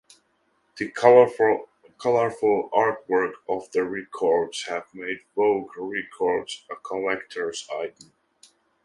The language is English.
The colorful artwork on the records have made Vogue Records a collector's item.